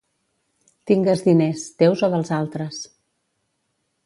Tingues diners, teus o dels altres.